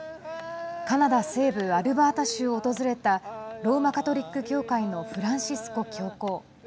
カナダ西部アルバータ州を訪れたローマ・カトリック教会のフランシスコ教皇。